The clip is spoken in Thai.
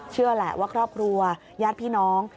เชื่อแหละว่าครอบครัวญาติพี่น้อง